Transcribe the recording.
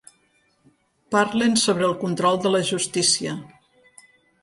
Parlen sobre el control de la justícia.